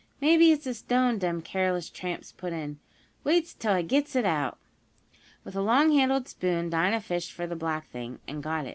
Maybe it's a stone dem careless tramps put in. Wait 'till I gits it out." With a longhandled spoon Dinah fished for the black thing, and got it.